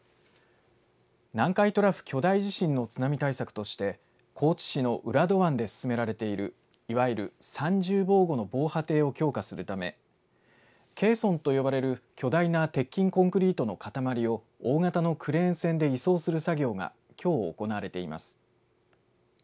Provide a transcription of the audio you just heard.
南海トラフ巨大地震の津波対策として高知市の浦戸湾で進められている、いわゆる三重防護の防波堤を強化するためケーソンと呼ばれる巨大な鉄筋コンクリートの塊を大型のクレーン船で移送をする作業がきょう行われています。